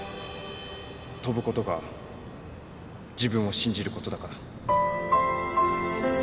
跳ぶことが自分を信じることだから